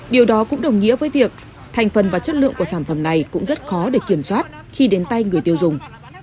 điều đó cũng đồng nghĩa với việc thành phần và chất lượng của sản phẩm này cũng rất khó để kiểm soát khi đến tay người tiêu dùng